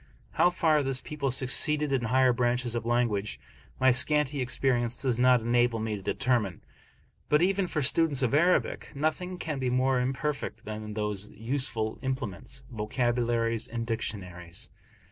How far this people succeed in higher branches of language, my scanty experience does not enable me to determine. But even for students of Arabic, nothing can be more imperfect than those useful implements, Vocabularies and Dictionaries.